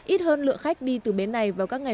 ít hơn lượng khách đi từ bến này vào các ngày